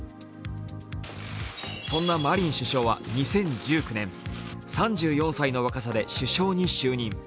そんなマリン首相は２０１９年３４歳の若さで首相に就任。